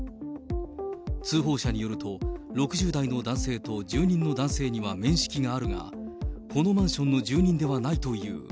通報者によると、６０代の男性と住人の男性には面識があるが、このマンションの住人ではないという。